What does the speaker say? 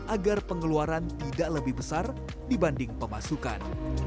agar pengeluaran tidak lebih besar dibanding pemasukan